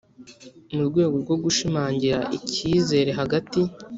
mu rwego rwo gushimangira icyizere hagati